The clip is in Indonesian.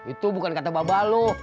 itu bukan kata babaloh